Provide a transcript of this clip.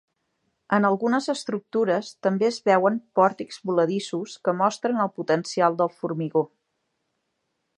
En algunes estructures també es veuen pòrtics voladissos que mostren el potencial del formigó.